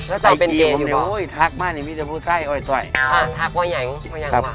เเจาก็หนีเศร้าก็สอบร้ายนี้แต่หรอ